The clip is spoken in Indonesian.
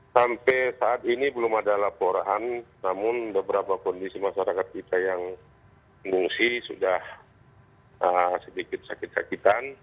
sampai saat ini belum ada laporan namun beberapa kondisi masyarakat kita yang mengungsi sudah sedikit sakit sakitan